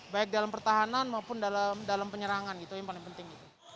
baik dalam pertahanan maupun dalam penyerangan gitu yang paling penting